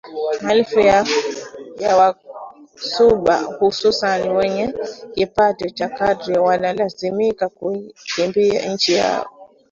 Maelfu ya waCuba hususan wenye kipato cha kadri wakalazimika kuikimbia nchi yao